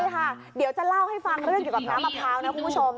ใช่ค่ะเดี๋ยวจะเล่าให้ฟังเรื่องเกี่ยวกับน้ำมะพร้าวนะคุณผู้ชม